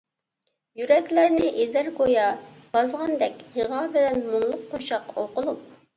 يۈرەكلەرنى ئېزەر گويا بازغاندەك، يىغا بىلەن مۇڭلۇق قوشاق ئوقۇلۇپ.